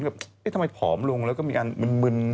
ทำไมผอมลงแล้วก็มีอันมึน